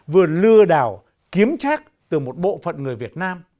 vừa lừa đảo kiếm trác từ một bộ phận người việt nam